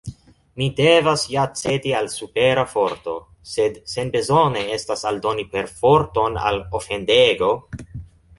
Mi devas ja cedi al supera forto, sed senbezone estas aldoni perforton al ofendego.